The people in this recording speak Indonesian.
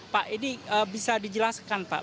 pak ini bisa dijelaskan pak